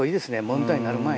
問題になる前に。